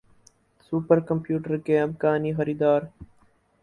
super computer کے امکانی خریدار